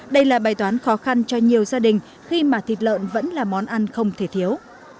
đây là bài toán khó khăn cho nhiều gia đình khi mà thịt lợn vẫn là món ăn không thể thiếu